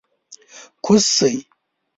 کوز شئ!